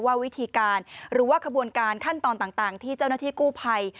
ว่าวิธีการหรือว่าขบวนการขั้นตอนต่างที่เจ้าหน้าที่กู้ภัย